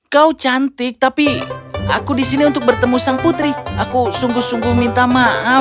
kau cantik tapi aku disini untuk bertemu sang putri aku sungguh sungguh minta maaf